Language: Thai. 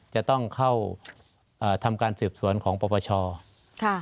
จะต้องเข้าทำการสืบสวนของปปชค่ะ